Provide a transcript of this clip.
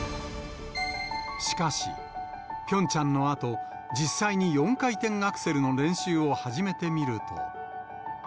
しかし、ピョンチャンのあと、実際に４回転アクセルの練習を始めてみると。